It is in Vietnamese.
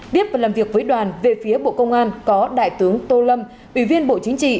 tiếp và làm việc với đoàn về phía bộ công an có đại tướng tô lâm ủy viên bộ chính trị